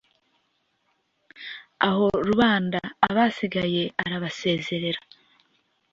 naho rubanda basigaye arabasezerera